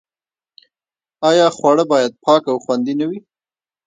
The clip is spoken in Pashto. آیا خواړه باید پاک او خوندي نه وي؟